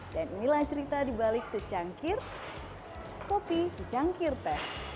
dan inilah cerita di balik secangkir kopi secangkir teh